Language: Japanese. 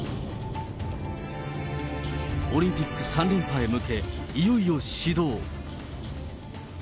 オリンピック３連覇へ向け、いよいよ始動。